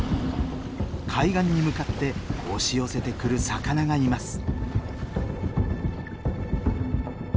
海岸に向かって押し寄せてくる魚がいます。